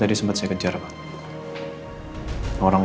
apakah jawaban p